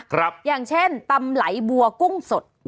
อย่างเช่นตำไหลบัวกุ้งสด